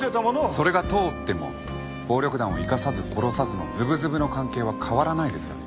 それが通っても暴力団を生かさず殺さずのズブズブの関係は変わらないですよね。